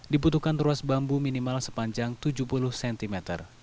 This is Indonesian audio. dibutuhkan ruas bambu minimal sepanjang tujuh puluh cm